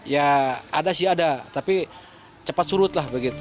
ya ada sih ada tapi cepat surutlah begitu